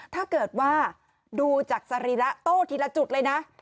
ถ้าเกิดว่าดูจากสรีระโต้ทีละจุดเลยนะ